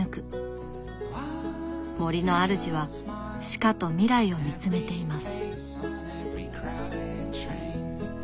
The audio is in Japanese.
森の主はしかと未来を見つめています。